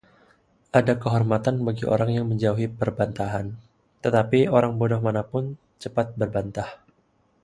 Ada kehormatan bagi orang yang menjauhi perbantahan, tetapi orang bodoh mana pun cepat berbantah.